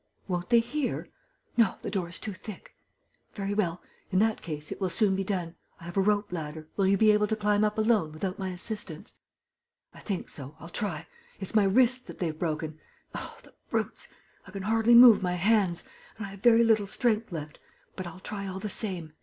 "Won't they hear?" "No, the door is too thick." "Very well. In that case, it will soon be done. I have a rope ladder. Will you be able to climb up alone, without my assistance?" "I think so.... I'll try.... It's my wrists that they've broken.... Oh, the brutes! I can hardly move my hands ... and I have very little strength left. But I'll try all the same